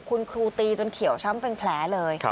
คุณครูตีจนเขียวช้ำเป็นแผลเลย